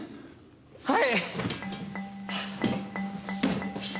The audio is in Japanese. はい！